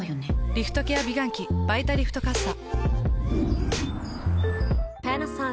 リフトケア美顔器「バイタリフトかっさ」。